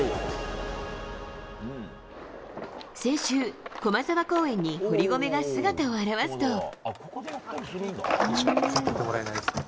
先週、駒沢公園に堀米が姿を現すと。